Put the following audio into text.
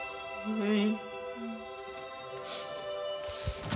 はい。